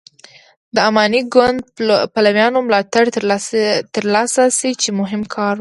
د اماني ګوند پلویانو ملاتړ تر لاسه شي چې مهم کار و.